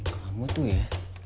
kamu tuh ya